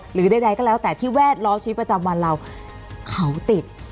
หรือใดก็แล้วแต่ที่แวดล้อมชีวิตประจำวันเราเขาติด